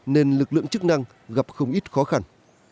nên lực lượng chức năng gặp không ít khó khăn